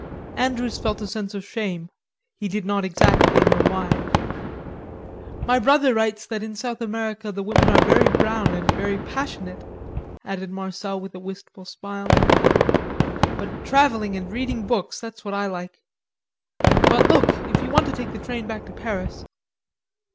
Andrews felt a sense of shame, he did not exactly know why. "My brother writes that in South America the women are very brown and very passionate," added Marcel with a wistful smile. "But travelling and reading books, that's what I like.... But look, if you want to take the train back to Paris...."